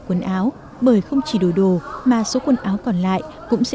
quần áo bởi không chỉ đổi đồ mà số quần áo còn lại cũng sẽ